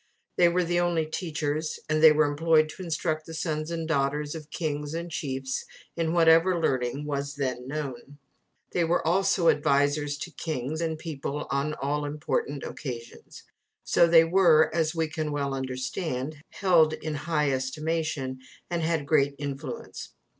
They were the only teachers, and they were employed to instruct the sons and daughters of kings and chiefs in whatever learning was then known. They were also advisers to king and people on all important occasions; so they were, as we can well understand, held in high estimation, and had great influence.